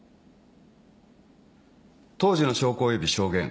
当時の証拠および証言